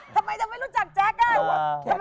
ทำไมไม่รู้จักแจ๊กอ่ะทำไมเจ๊เห็นอ่ะ